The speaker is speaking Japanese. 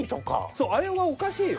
そうあれはおかしいよ。